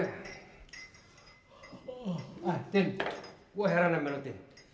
ah tim gue heran sama lo tim